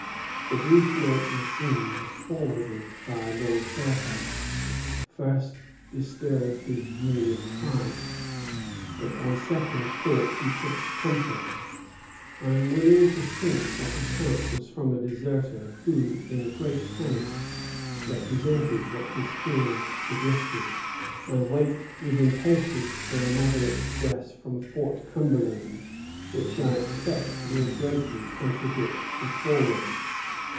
The brief note of Innes, forwarded by Lord Fairfax, first disturbed his dream of triumph; but on second thought he took comfort. "I am willing to think that account was from a deserter who, in a great panic, represented what his fears suggested. I wait with impatience for another express from Fort Cumberland, which I expect will greatly contradict the former."